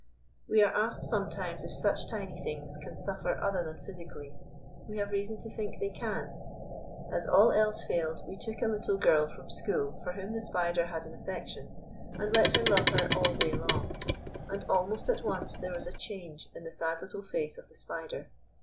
We are asked sometimes if such tiny things can suffer other than physically. We have reason to think they can. As all else failed, we took a little girl from school for whom the Spider had an affection, and let her love her all day long; and almost at once there was a change in the sad little face of the Spider.